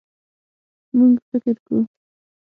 مونږ فکر کوو